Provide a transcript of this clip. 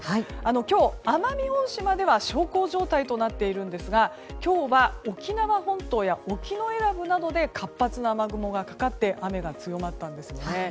今日、奄美大島では小康状態となっていますが今日は沖縄本島や沖永良部などで活発な雨雲がかかって雨が強まったんですよね。